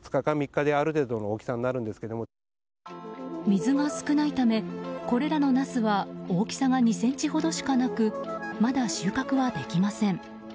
水が少ないためこれらのナスは大きさが２ｃｍほどしかなくまだ収穫はできません。